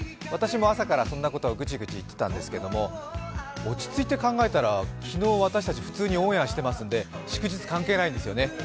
私も朝からそんなことをグチグチ言ってたんですけど、落ち着いて考えたら昨日、私たち普通にオンエアしていますので祝日関係ないんですよね、